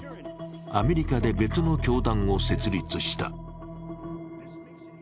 アメリカで別の教団を設立した。